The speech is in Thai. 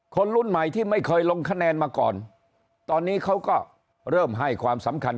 คนรุ่นใหม่ที่ไม่เคยลงคะแนนมาก่อนตอนนี้เขาก็เริ่มให้ความสำคัญ